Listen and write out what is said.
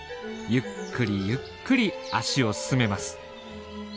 ゆっくりゆっくり足を進めます。